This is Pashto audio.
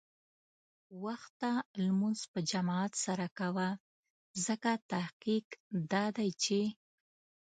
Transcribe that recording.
وخته لمونځ په جماعت سره کوه، ځکه تحقیق دا دی چې